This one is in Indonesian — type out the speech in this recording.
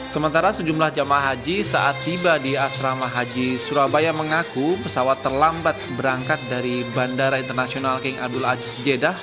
sementara sejumlah jamaah haji saat tiba di asrama haji surabaya mengaku pesawat terlambat berangkat dari bandara internasional king abdul aziz jeddah